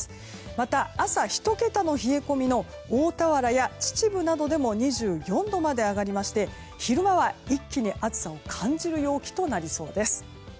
また、朝１桁の冷え込みの大田原や秩父などでも２４度まで上がりまして昼間は一気に暑さを感じる陽気となりそうです。